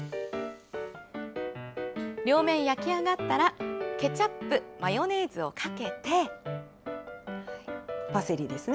両面焼き上がったら、ケチャップマヨネーズをかけて。